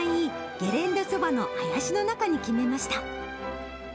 ゲレンデそばの林の中に決めました。